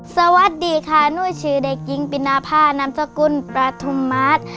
สวัสดีค่ะหนูชื่อเด็กหญิงปินาภานามสกุลประทุมมาตร